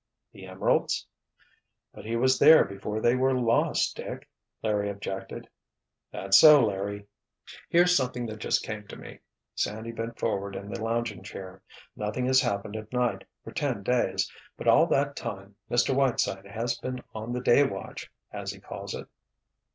"The emeralds?" "But he was there before they were lost, Dick," Larry objected. "That's so, Larry." "Here's something that just came to me." Sandy bent forward in the lounging chair. "Nothing has happened at night, for ten days. But all that time, Mr. Whiteside has been on the 'day watch,' as he calls it."